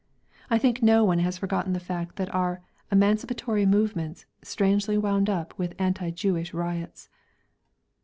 I think no one has forgotten the fact that our "emancipatory movements" strangely wound up with anti Jewish riots.